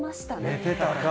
寝てたか。